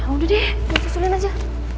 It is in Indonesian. udah deh gue susulin aja